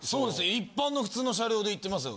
一般の普通の車両で行ってますよ。